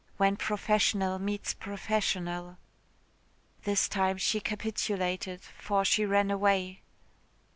When professional meets professional. This time she capitulated for she ran away.